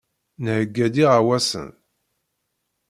Nheyya-d iɣawasen.